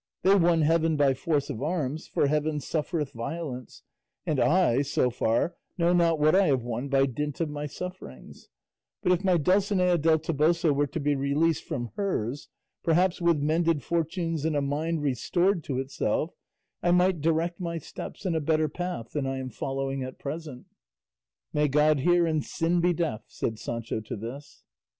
They won heaven by force of arms, for heaven suffereth violence; and I, so far, know not what I have won by dint of my sufferings; but if my Dulcinea del Toboso were to be released from hers, perhaps with mended fortunes and a mind restored to itself I might direct my steps in a better path than I am following at present." "May God hear and sin be deaf," said Sancho to this.